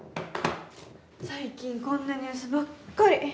最近こんなニュースばっかり。